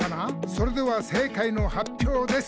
「それではせいかいのはっぴょうです！」